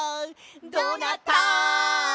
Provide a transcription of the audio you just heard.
「どうなった？」